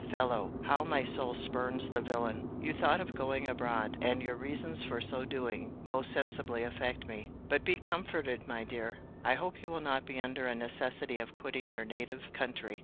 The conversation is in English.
—Fellow!—How my soul spurns the villain! Your thought of going abroad, and your reasons for so doing, most sensibly affect me. But be comforted, my dear; I hope you will not be under a necessity of quitting your native country.